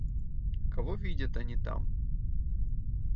Кого видят они там?